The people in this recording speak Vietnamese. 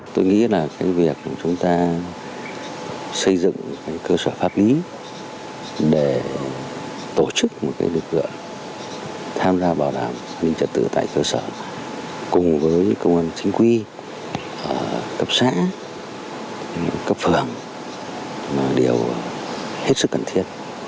tôi nghĩ là cái việc chúng ta xây dựng cơ sở pháp lý để tổ chức một cái lực lượng tham gia bảo đảm an ninh trật tự tại cơ sở cùng với công an chính quy cấp xã cấp phường là điều hết sức cần thiết